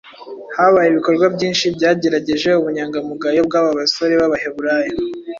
habaye ibikorwa byinshi byagerageje ubunyangamugayo bw’aba basore b’Abaheburayo,